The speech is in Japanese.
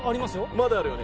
まだあるよね。